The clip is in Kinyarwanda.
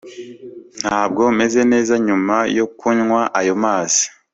Ntabwo meze neza nyuma yo kunywa ayo mazi